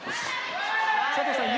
佐藤さん